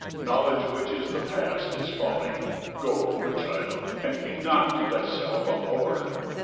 Knowledge which is the Past is folly. Go, Poor, child, and be not to thyself abhorred.